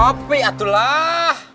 ngopi atuh lah